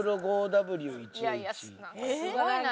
すごいな。